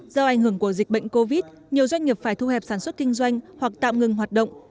do ảnh hưởng của dịch bệnh covid nhiều doanh nghiệp phải thu hẹp sản xuất kinh doanh hoặc tạm ngừng hoạt động